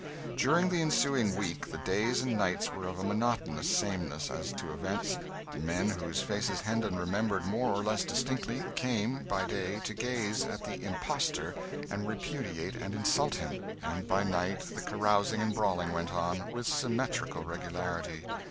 During the ensuing week, the days and nights were of a monotonous sameness as to events; men whose faces Hendon remembered more or less distinctly, came, by day, to gaze at the 'impostor' and repudiate and insult him; and by night the carousing and brawling went on with symmetrical regularity.